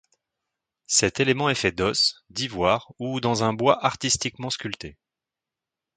Cet élément est fait d'os, d'ivoire ou dans un bois artistiquement sculpté.